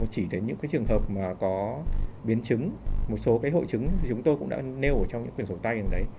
chỉ đến những cái trường hợp mà có biến chứng một số cái hội chứng thì chúng tôi cũng đã nêu ở trong những quyển sổ tay này đấy